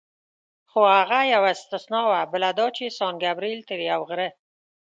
خو هغه یوه استثنا وه، بله دا چې سان ګبرېل تر یو غره.